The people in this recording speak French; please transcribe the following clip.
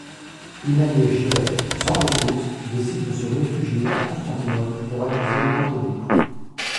Inayet Giray, sans ressource, décide de se réfugier à Constantinople pour accuser Kantemir.